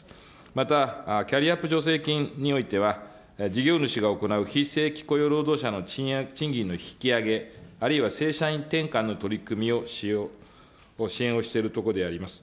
またキャリアアップ助成金においては、事業主が行う非正規雇用労働者の賃金の引き上げ、あるいは正社員転換の取り組みを支援をしているところであります。